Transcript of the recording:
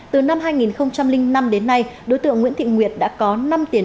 từ năm hai nghìn năm đến nay đối tượng nguyễn thị nguyệt đã có năm tiền án về tội trộm cắp tài sản